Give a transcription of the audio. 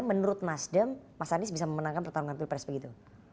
menurut nasdem mas anies bisa memenangkan pertarungan pilpres begitu